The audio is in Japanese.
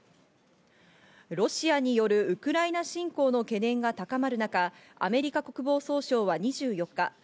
ロシアによるウクライナ侵攻の懸念が高まる中、アメリカ国防総省は２４日、